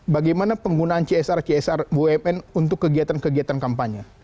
bagaimana penggunaan csr csr bumn untuk kegiatan kegiatan kampanye